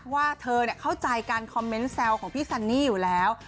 ว่าเธอเข้าใจการคอมเมนต์แซวของพี่ซันนี่อยู่แล้ว